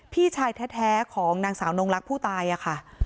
พี่ชายแท้ของนางสาวนงลักษณ์ผู้ตายค่ะ